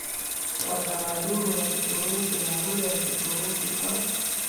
wa tamaduni ya Kituruki na lugha ya Kituruki kwa